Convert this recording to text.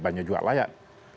banyak juga layak